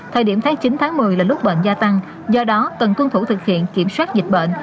thời điểm tháng chín tháng một mươi là lúc bệnh gia tăng do đó cần tuân thủ thực hiện kiểm soát dịch bệnh